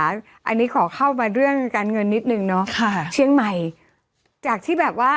อันนี้ขอเข้ามาเรื่องการเงินนิดนึงเนาะค่ะเชียงใหม่จากที่แบบว่า